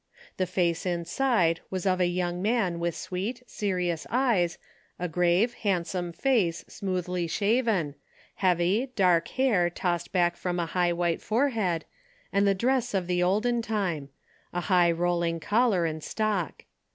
The face inside was of a young man with sweet, serious eyes, a grave, handsome face, smoothly shaven, heavy, dark hair tossed back from a high white forehead, and the dress of the olden time — a high rolling collar and stock.